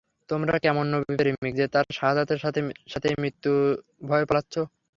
তোমরা কেমন নবী-প্রেমিক যে, তাঁর শাহাদাতের সাথে সাথেই মৃত্যু ভয়ে পালাচ্ছ?